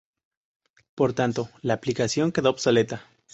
Por tanto, la aplicación quedó obsoleta.